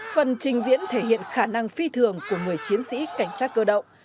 phần trình diễn thể hiện khả năng phi thường của người chiến sĩ cảnh sát cơ động